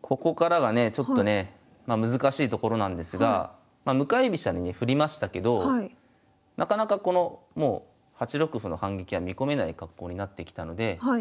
ここからがねちょっとね難しいところなんですが向かい飛車にね振りましたけどなかなかこのもう８六歩の反撃は見込めない格好になってきたのでおお。